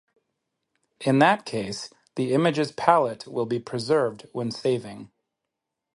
In that case, the image's palette will be preserved when saving.